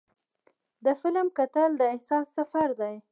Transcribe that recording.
د فلم کتل د احساس سفر دی.